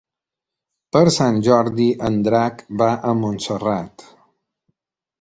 Per Sant Jordi en Drac va a Montserrat.